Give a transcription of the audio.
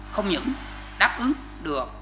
không những đáp ứng được